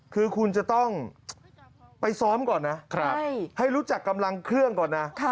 คือคุณจะต้องไปซ้อมก่อนนะให้รู้จักกำลังเครื่องก่อนนะ